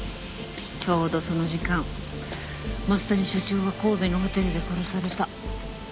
ちょうどその時間増谷社長は神戸のホテルで殺された。